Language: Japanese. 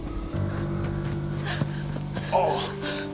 ああ。